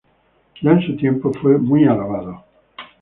Ya en su tiempo, fue muy alabado.